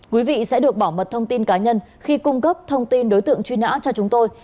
quý vị sẽ được bảo mật thông tin cá nhân khi cung cấp thông tin đối tượng truy nã cho chúng tôi